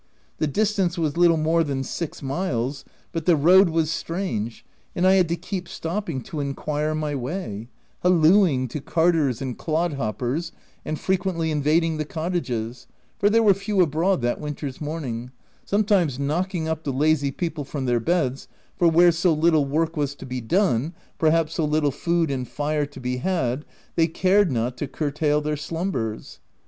The distance was little more than six miles, but the road was strange, and I had to keep stopping to enquire my way — hallooing to carters and clod hoppers, and frequently invading the cottages, for there were few abroad that winter's morning, — some times knocking up the lazy people from their beds, for where so little work was to be done — perhaps so little food and fire to be had, they cared not to curtail their slumbers.